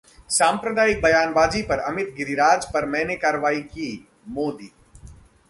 सांप्रदायिक बयानबाजी पर अमित, गिरिराज पर मैंने कार्रवाई की: मोदी